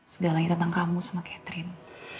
segalanya tentang kamu sama catherine